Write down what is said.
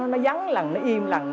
nó vắng lằn nó im lằn